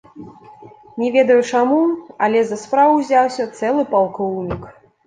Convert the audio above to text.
Не ведаю, чаму, але за справу ўзяўся цэлы палкоўнік!